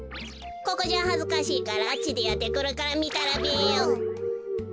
ここじゃはずかしいからあっちでやってくるからみたらべよ。